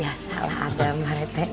ya salah adam rete